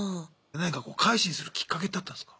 なんかこう改心するきっかけってあったんすか？